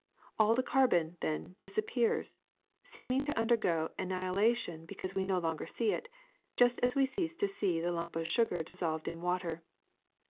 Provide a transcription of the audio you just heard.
All the carbon, then, disappears, seeming to undergo an nihilation because we no longer see it, just as we cease to see the lump of sugar dissolved in water.